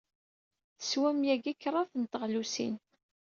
Teswam yagi kraḍt n teɣlusin.